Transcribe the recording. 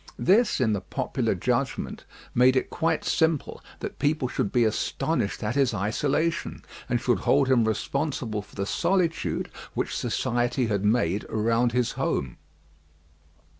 This, in the popular judgment, made it quite simple that people should be astonished at his isolation, and should hold him responsible for the solitude which society had made around his home.